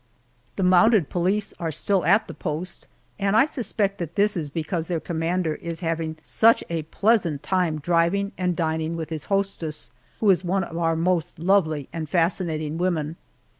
The mounted police are still in the post, and I suspect that this is because their commander is having such a pleasant time driving and dining with his hostess, who is one of our most lovely and fascinating women.